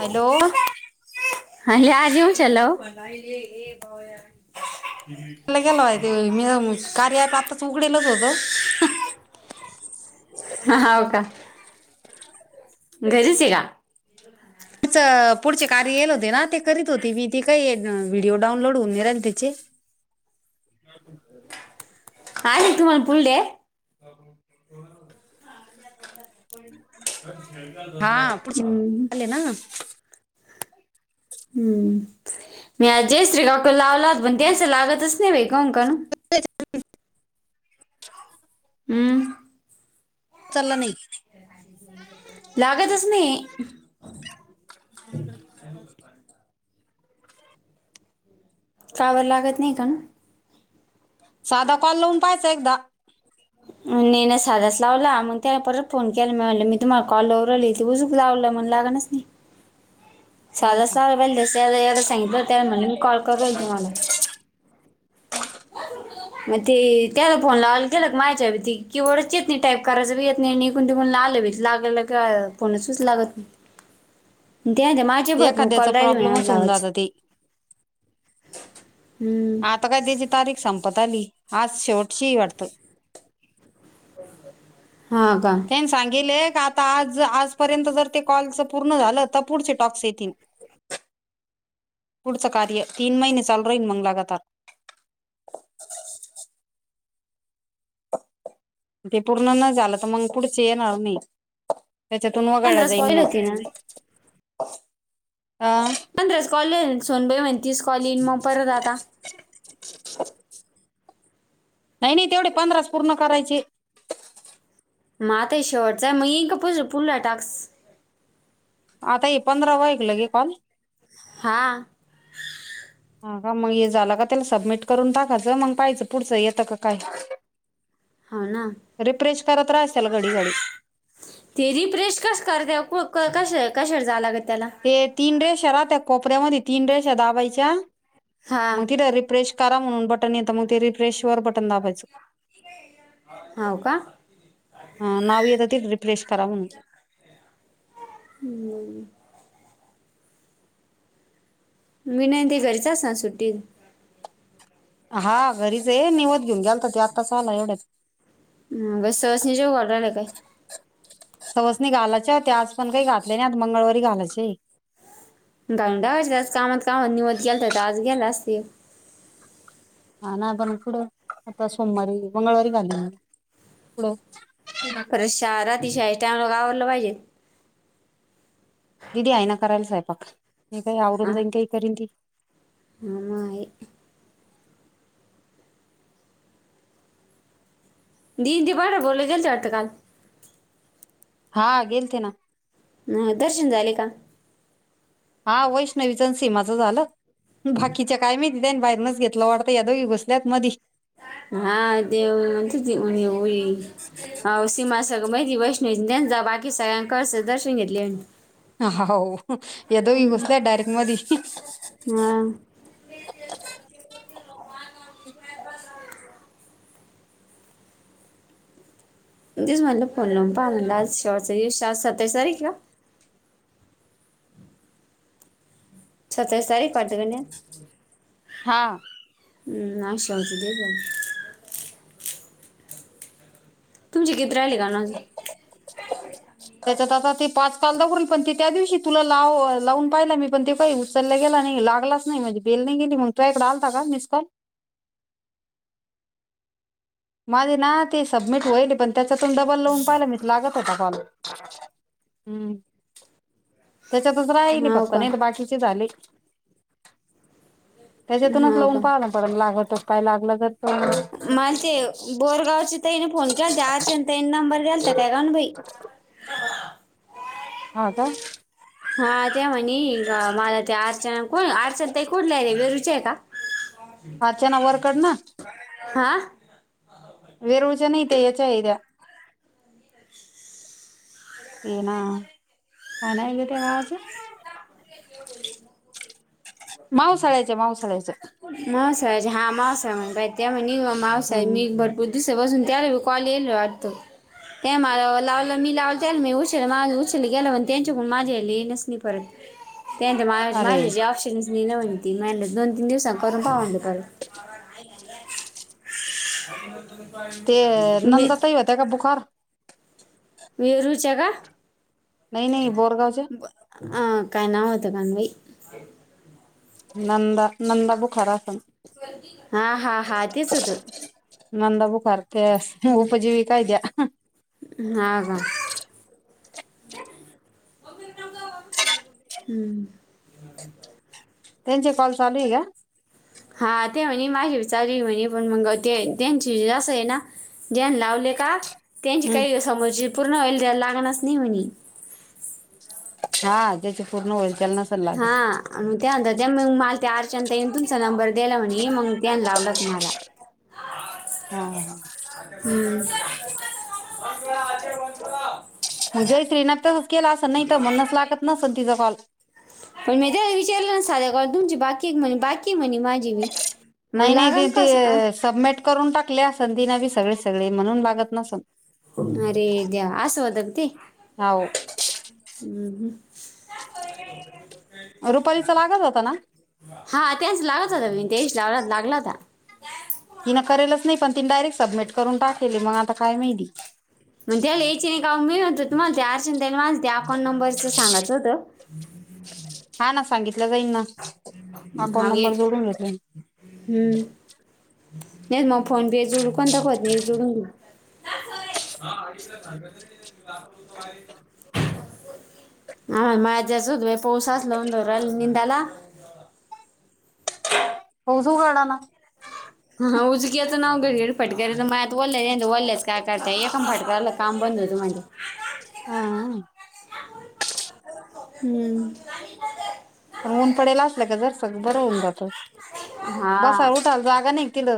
Hello अरे आरही हू चलो [unintelligible] म्हणलं गेलो आहे ते मी कार्या अँप आताच उघडेलच होत हाव का घरीेचये का तीच पुढचे कार्य येल होते ना ते करीत होती ती ती काय व्हिडिओ डाउनलोड होऊन नाही राहिले तिचे आले तुम्हाला पुढले हा पुढचे हम्म, आले ना हू मी आज जयश्री ला लावला पण त्याचं लागतच नाही बाई का कण हू उचलला नाही लागतच नाही [inaudible] का बर लागत नाही कण साधा कॉल लावुन पाहायचा एकदा नई ना साधाच लावला मग त्या परत फोन केला मी म्हणल मी तुम्हाला कॉल लाऊ राहिले ते उजूक लावलं मन लागणच नई [inaudible] नाही का साधाच लावला पहिल एवढ सांगितलं त्या म्हणे मी कॉल करू राहिले तुम्हाला म ते त्याला फोन लावाल ते लोक माया [unintelligible] की वरचे येत नाही टाईप करायच बी येत नाही इकुण तिकुण आलं बी लागलं का फोनच लागत नाही [inaudible] त्या नाही तर माय ते [unintelligible] एखाद्याचा कॉल राहिले माझे आज प्रॉब्लेमच होऊन जात लावायचे ते हू आता काय त्याची तारीख संपत आली आज शेवटचीये वाटतं हा का त्यांनी सांगिले का आता आज आजपर्यंत जर ते कॉलच पूर्ण झालं तर पुढचे टॉक्स येतिन पुढच कार्य तीन महीने चालु राइन मंग लगातार म ते पूर्ण न झालं तर मग पुुढचे येणार नाही त्याच्यातून वगळला पंधराच जाईन कॉल मग होते ना आ पंधराच कॉले सुनबाई म्हण तीस कॉल इन म परत आता नाही नाही तेवडे पंधराच पूर्ण करायचे म आता हे शेवटचाये मग येईल का पूज पुढला टास्क आता हे पंधरावाये लगे कॉल हा हा का मग हे झालं का त्याला सबमिट करून टाकाचं मग पाहियचं पुढचं येतं का काय हो ना रिफ्रेश करत राहायचं त्याला घडी घडी ते रिफ्रेश कस करत्या कश कशावर जाय लागत त्याला? ते तीन रेषा राहत्या कोपऱ्यामधी तीन रेषा दाबायच्या, हा मग तिथं रिफ्रेश करा म्हणून बटन येता मग ते रिप्रेशर वर बटन दाबायचं. हाव.. का? हा... नाव येत ते रिफ्रेश करा म्हणून हम्म विनय ते घरीच असनार सुट्टी? हा घरीच है निवद घेऊन गेलता त्यो आत्ताच आला एवढ्यात ह्.. ब सवासणी जेवायला आले काय? सवासणी घालायच्या होत्या आज पण काही घातले नाही मंगळवारी घालायचय. गांडावर आज कामात कामात निवद केलता तर आज गेल्या असतील. हा.. ना.. पण पुढं.. आता सोमवारी, मंगळवारी घालीन मी पुढ शाळा राहती शाळेच्या टायमला मग आवरलं पाहिजे. दिदी आहेना करायला स्वयंपाक, मी काही आवरून जाईन काही करीन ती. हम् दिदी बर बोले गेलत्या वाटतं काल हा.. गेलते ना. ह्.. दर्शन झाले का? हा.. वैष्णवीच, सीमाचं झालं... बाकीच्याच काय माहिती त्यांनी बाहेरूनच घेतलं वाटतं या दोघी घुसल्यात मधी हा.. ते.. व आमचंच आहे की हुई हुई हा.. ओ.. सीमासगळं बहिणी वैष्णवीच त्यांचा बाकी सगळ्यांन कळसाचं दर्शन घेतले. हा वो ह्या दोघी घुसल्या डायरेक्ट मधी ह्.. हा ह [inaudible] तेच म्हणलं फोन लावून पाहावं म्हणलं, आज सत्तावीस तारीख हे का? सत्तावीस तारीख वाटते का नई हां हु.. आवसे आवसे देऊ जाऊन. तुमचे किती राहिले गाण अजून? त्याच्यात आता ते पाच पांदा पण ते त्या दिवशी तुला लाव.. लावून पाहिला मी पण ते काही उ उचला गेला नाही लागलाच नाही म्हणजे बेलने नाही गेली मग तोह्याकडं आलता का मिसकॉल? माझी ना ते सबमिट होईल पण त्याच्यातून डबल लावून पाहिलं मी लागत होता कॉल. हम्म त्याच्यातच राहिली हो फक्त का नाही तर बाकीचे झाले. त्याच्यातूनच हो लावून का पाहाना परत लागतर काय लागला तर तो मला ते बोरगावचे तईनं फोन केला ते आर्जंट त्यानं नंबर देलता तर काय काण बाई हा.. का? हा त्या म्हणे मला ते अर्चना कोण अर्चना ताई कुठल्या आहे रे वेरुच्या का? अर्चना वरकड ना? हा. वेरूळच्या नाहीत ह्याच्या आहे त्या ते ना काय नाव हेग त्या गावाचं? बोल ना [unintelligible] माऊसाळ्याचे मावसाळ्याच. मावसाळ्याचे हा मावसाळा त्याम्हणी मावसाळ हम्म मी भर. खूप दिवसा पासून त्याला बी कॉल येले वाटत. त्या मला लावलं मी त्याला उशल मा उशील गेलं पण त्यांच्याकडून माझ्या येनस म परत [unintelligible] ह. [unintelligible] त्यानंत माझ माझ्या जी ऑप्शनच म्हण मा दोन तीन दिवसां करून पाह. [unintelligible] मी ते होत बुखार वेरु च्या का नाही नाही आहे बोरगावच्या का काय नाव होतं कानवा [unintelligible] ई. नंदा नंदा बुखार आसन. हा हा हा तेच होत. नंदा बुखार त्या उपजीवीका त्या. हा का. हम्. त्यांचे कॉल चालू हे का. हा ते म्हणे माझी बी चालू म्हणे पण मग ते त्यांची जास्त. ना ज्यां लावले का त्यांची हम्म काही समोरची पूर्ण वल द्यायला लागणारच नाही म्हणे. [unintelligible] छ्या त्या्ची पूर्ण हो यल नसल लागत. हा मग त्यानंतर त्या मग मला त्या आरच्यांत येन तुमचा नंबर दिला म्हणे मग त्यान लावलं तुम्हाला. हा हा हम्म. मंगजयश्री न तसं केला अस नाही तर म्हणच लागत नसन तिचा कॉल. पण मी त्याला विचारलं ना साधे तुमची बाकी एक म्हणे बाकी म्हणे माझी मीझी बिन. नाही नाही त ते सबमिट करून टाकले सं ती नाव [unintelligible] सगळे सगळे म्हणून बगत नस अरे देवा असं होत का ते. हो हम् ह. [unintelligible] रुपालीचा लागत होता ना. हा त्याच लागत होता त्या दिवशी लावला लागला होता. तिन करेलच नाही पण ती डायरेक्ट सबमिट करून टाकेल हे मग आता काय माहिली. मग त्याला या यची नाही का मीळणत तुमला ते अर्चन त्याला माझ ते अकाउं नबरं सांगाचं होतं. हा ना सांगितलं जाईन न. हे [unintelligible] हम्म नाही मग फोन पे जुडू कोणता कोत नाही जुडून घ. [unintelligible] [unintelligible] हा माझ्याच पाऊस असला म्हणल राहिल निंदायला. पाऊस उघडलान. हा उजकी आता नाव घड घरी फटके म आत ओल्याले ल्याच काय करताय एकाण फटकाला. [unintelligible] काय बंद होत माझं. हा हम्म. पण ऊन पडेला असल का जर सगळं बरं होऊन जात हा बसाल उठाल जागा नाही तिथ.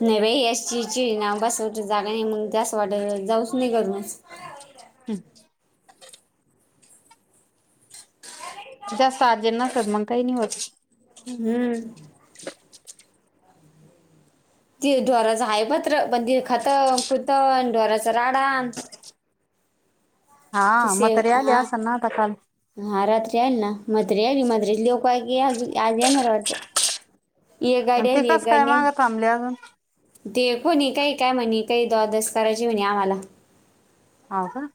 नाही बाई याचीची नाव बस वा जागा नाही मग जास वाट जाऊच नाही करून. [unintelligible] हम्. जास्त अर्जंट नसतल मग काही नाही होत. हम्म. ते ढोराचं आहे पत्र पण ते खतं खुतं न ढोराचं राडा न हा तसे म्हातारी आली हा असंन ना आता काल. हा रात्री आली ना मतारी आली मतारीची ल्योक आहे क अज आज येणार वाटतं. येक गाडी आणि ते आली एक कस गाडी काय नाय. मागं थांबले अजून दे कोणी काही काय म्हणे काही दवादस करायची म्हणे आम्हाला. हाव का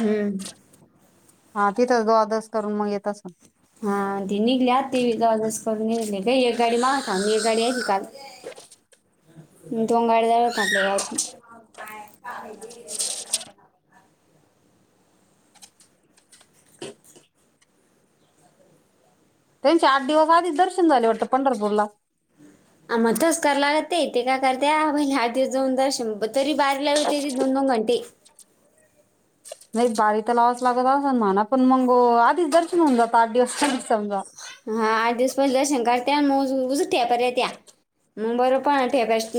हम्म हा तिथंच द्वा दस करून मग येत असंन हा ती निघलीआ ती द्वादस करून निघली का एक गाडी माग एक गाडी काल [inaudible] [unintelligible] [inaudible] त्यांचे आठ दिवस आधीच दर्शन झाले वाटतं पंढरपूरला. आ म तस करा लागते ते काय करत्या पहिले आठ दीवस जाऊन दर्शन ब तरी बाारी लावते ती दोन दोन घंटे. नई बारी त लावाच लागत असंन म्हणा पण मंग आधीच दर्शन होऊन जात आठ दिवस पइले समजा. हां आठ दिवस पईले दर्शन करत्या न म [unintelligible] [unintelligible] पंधरा एकादशीच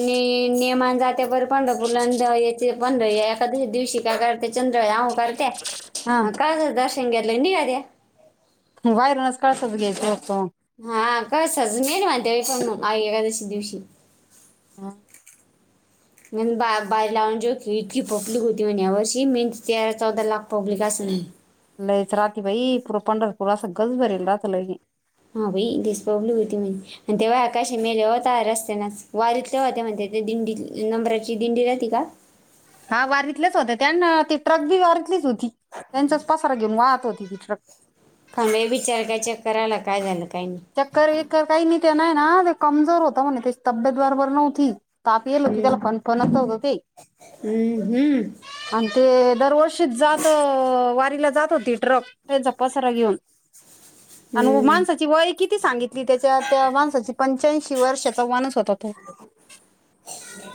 दिवशी काय करते चंद्र याहू करते. हा हं कळसाच दर्शन घेतलंन नीघाल्या. बायरूनच कळसाच घ्यायचं फक्त हा काय सजून येल म्हण त्या आई एकादशी दिवशी. ह मीन बा बायेर लावून जे की इतकी पब्लिक होती म्हण या वर्षी मेन तेरा चौदा लाख पब्लिक आसंन लईच राहते बाई पूरं पंढरपुर असं गज भरेल रातलं की. हां बई [unintelligible] म्हण तेव्हा काशी मेले हो तवा रस्त्यानेच वारीतले होते म्हण ते, ते दिंडी नंबराची दिंडी राहती का? हा वारीतलेच होते त्यां अन ती ट्रक बी वारितलीच होती, त्यांच्याच पसारा घेऊन वाहत होती ती ट्रक. कांबळे बिचारा काय चेक करायला काय झालं काय नी. चक्कर बीक्कर काई नी ते नाय ना ते कमजोर होतं म्हणे त्याची तब्येत बरोबर नव्हती. ताप येल होती त्याला हम्म. फणफणत होतं ते हम्म, हम्म, आणि ते दरवर्षीच जातं वारीला जात होती ट्रक. त्यांचा पसारा घीऊन आण हम्म. माणसाची वय किती सांगितली त्याच्या त्या माणसाची पंच्याऐंशी वर्षाचा मानुस होता तो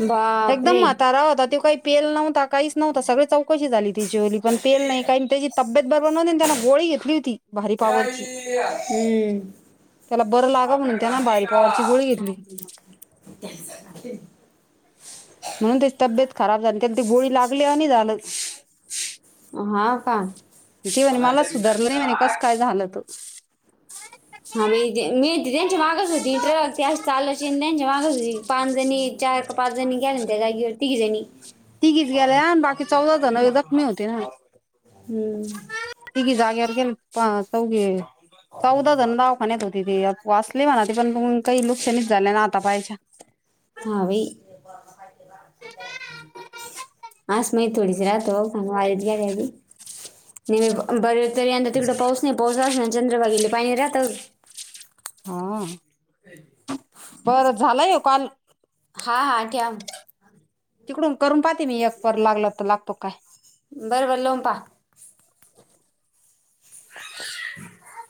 बाप एकदम म्हतारा होता त्यो काई पेल नव्हता काईच नव्हता सगळी चौकशी झाली त्याच्या वाली. पण पेल नाई काई त्याची तब्येत बरोबर नव्हती त्यांनं गोळी घेतली होती भारी पावरची. हम्म त्याला बरं लागा म्हणून त्यानं भारी पावरची गोळी घेतली [unintelligible] म्हणून त्याची तब्येत खराब झाली त्याल ती गोळी लागली आणि झालं हा का ते म्हणे मला सुधारलं नई म्हणे कस काय झालं त. हा मा मिळ त्यांची मागच होती ट्रक ते असं चाल त्यांच्या मागच होती पाच जणी चार का पाच जणी ग्याल्या त्या जागीवर तीघी जणी तिघीच गेल्या आणि बाकी चौदा जण जखमी होते ना हम्म तिघी जाग्यावर गेल पा चौघे चौदा जण ना म्हणत होती ते वाचली म्हणा ते पण काही लुकसानीच झाले ना आता पायाच्या हावी आस माई थोडीशी राहतो पण वारीत गेलेली बरे तरी यंदा तिकडं पाऊस नाही. पाऊस असलाना चंद्रभागेला पाणी राहत. हा. बरं, झालाय यो काॅल. हां हां ठ्याव. तिकडून करून पाहतेे मी एक [unintelligible] लागलातर लागतो काय? बरबर लावून पहा. [unintelligible]